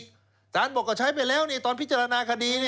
สารบอกก็ใช้ไปแล้วตอนพิจารณาคดี